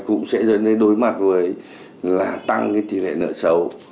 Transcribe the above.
cũng sẽ dẫn đến đối mặt với tăng tỷ lệ nợ sầu